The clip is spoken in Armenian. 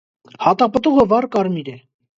Հատապտուղը վառ կարմիր է։